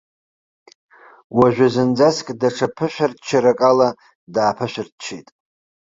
Уажәы зынӡаск даҽа ԥышәырччарак ала дааԥышәырччеит.